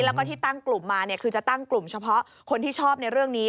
แล้วก็ที่ตั้งกลุ่มมาคือจะตั้งกลุ่มเฉพาะคนที่ชอบในเรื่องนี้